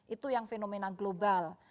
itu yang fenomena global